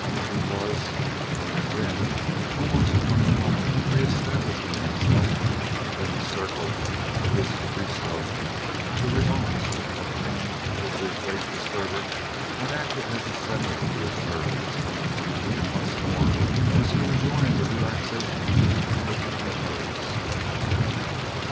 He was had been, almost from the moment of re establishing himself within the circle of his cabriesto. The revanche obtained over his late disturber had acted as a settler to his nerves; and once more was he enjoying the relaxation of perfect repose.